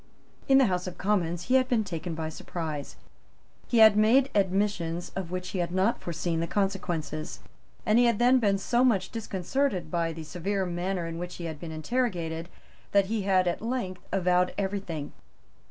In the House of Commons, he had been taken by surprise; he had made admissions of which he had not foreseen the consequences; and he had then been so much disconcerted by the severe manner in which he had been interrogated that he had at length avowed everything.